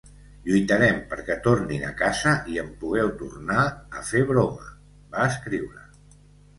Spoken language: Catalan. Lluitarem perquè tornin a casa i en pugueu tornar a fer broma, va escriure.